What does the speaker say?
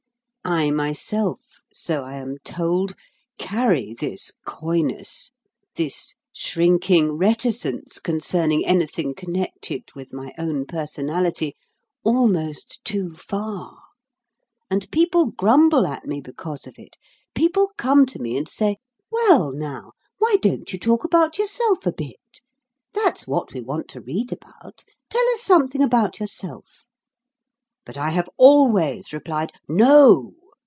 I myself, so I am told, carry this coyness this shrinking reticence concerning anything connected with my own personality, almost too far; and people grumble at me because of it. People come to me and say "Well, now, why don't you talk about yourself a bit? That's what we want to read about. Tell us something about yourself." But I have always replied, "No."